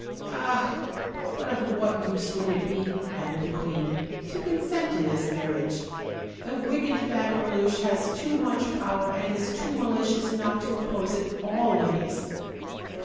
"Ah! but of what use would it be," added the queen, "to consent to this marriage? The wicked Fanferluche has too much power and is too malicious not to oppose it always."